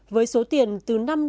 với số tiền từ năm đến một mươi đồng